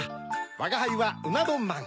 わがはいはうなどんまん。